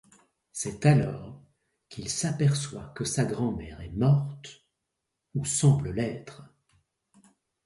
C'est alors qu'il s'aperçoit que sa grand-mère est morte… ou semble l'être.